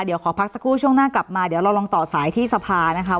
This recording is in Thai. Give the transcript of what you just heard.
เดี๋ยวขอพักสักครู่ช่วงหน้ากลับมาเดี๋ยวเราลองต่อสายที่สภานะคะ